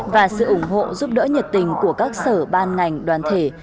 và sự ủng hộ giúp đỡ nhiệt tình của các sở ban ngành đoàn thể